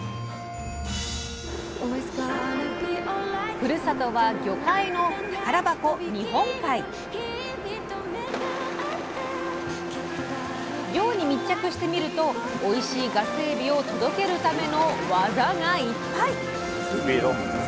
ふるさとは魚介の宝箱漁に密着してみるとおいしいガスエビを届けるための技がいっぱい！